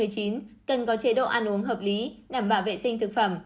cần có chế độ ăn uống hợp lý đảm bảo vệ sinh thực phẩm